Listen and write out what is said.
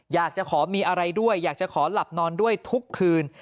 อยากจะขอมีอะไรด้วยอยากจะขอหลับนอนด้วยทุกคืน